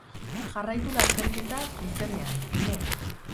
Jarraitu lasterketa, zuzenean, hemen.